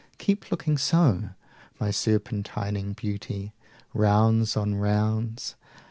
keep looking so 25 My serpentining beauty, rounds on rounds!